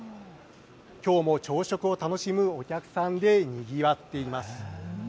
きょうも朝食を楽しむお客さんでにぎわっています。